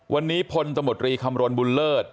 วันนี้พลตมตรีคำรณบุญเลิศ